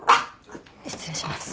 失礼します。